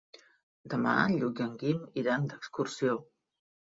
Demà en Lluc i en Guim iran d'excursió.